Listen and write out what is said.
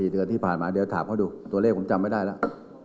เดือนที่ผ่านมาเดี๋ยวถามเขาดูตัวเลขผมจำไม่ได้แล้ว